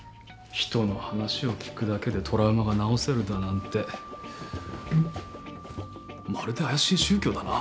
人の話を聞くだけでトラウマが治せるだなんてまるで怪しい宗教だな。